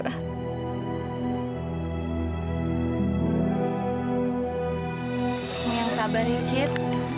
kamu yang sabar ya cid